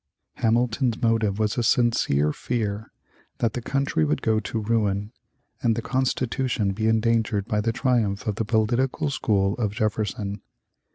Hamilton's motive was a sincere fear that the country would go to ruin and the Constitution be endangered by the triumph of the political school of Jefferson.